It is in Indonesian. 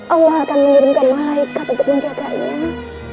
allah akan mengirimkan malaikat untuk menjaganya